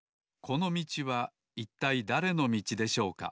このみちはいったいだれのみちでしょうか？